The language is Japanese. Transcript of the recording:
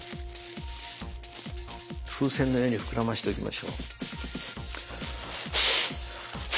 風船のようにふくらましておきましょう。